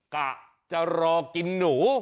กะจะรอกินหนู